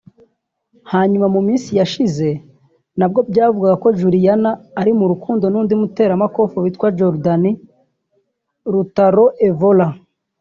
hanyuma mu minsi yashize nabwo byavugwaga ko Juliana ari mu rukundo n’undi muteramakofe witwa Jordan Lutalo Evora